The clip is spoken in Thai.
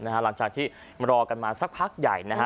หลังจากที่รอกันมาสักพักใหญ่นะฮะ